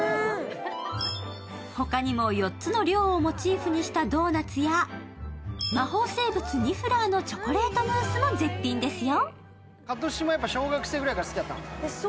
ほかにも４つの寮をモチーフにしたドーナツや魔法生物ニフラーのチョコレートムースも絶品ですよ。